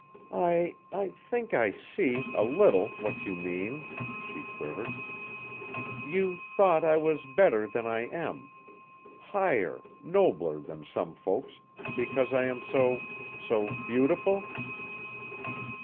"I I think I see, a little, what you mean," she quivered; "you thought I was better than I am. Higher, nobler than some folks, because I am so so beautiful?"